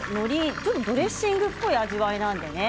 ちょっとドレッシングっぽい味わいなのでね。